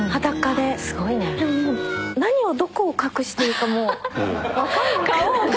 でももう何をどこを隠していいかもうわかんなくて。